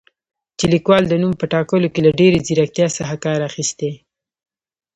چې لیکوال د نوم په ټاکلو کې له ډېرې زیرکتیا څخه کار اخیستی